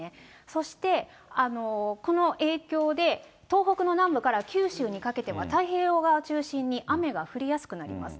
そして、この影響で、東北の南部から九州にかけては、太平洋側を中心に、雨が降りやすくなります。